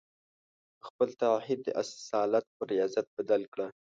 د خپل تعهد د اصالت پر رياضت بدله کړه.